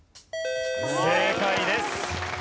正解です。